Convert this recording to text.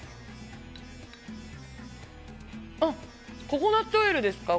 ココナツオイルですか？